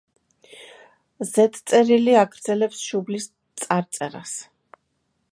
ზედწერილი აგრძელებს შუბლის წარწერას.